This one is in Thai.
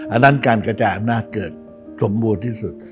อันนั้นการกระจายอำนาจเกิดสมบูรณ์ที่สุด